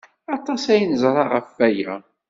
Aṭas ay neẓra ɣef waya.